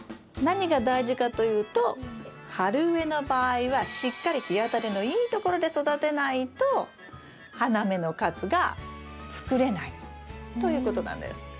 何が大事かというと春植えの場合はしっかり日当たりのいいところで育てないと花芽の数が作れないということなんです。